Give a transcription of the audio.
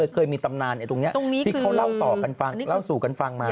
เคยมีตำนานตรงนี้ที่เขาเล่าต่อกันฟังเล่าสู่กันฟังมา